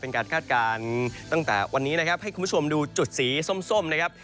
คาดการณ์ตั้งแต่วันนี้นะครับให้คุณผู้ชมดูจุดสีส้มนะครับ